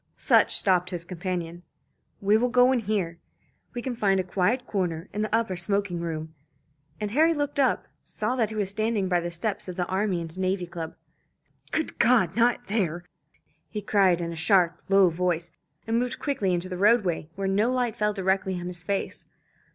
Sutch stopped his companion. "We will go in here. We can find a quiet corner in the upper smoking room;" and Harry, looking up, saw that he was standing by the steps of the Army and Navy Club. "Good God, not there!" he cried in a sharp low voice, and moved quickly into the roadway, where no light fell directly on his face.